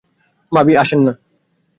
ভাবি, আসেন না।